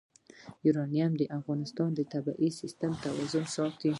یورانیم د افغانستان د طبعي سیسټم توازن ساتي.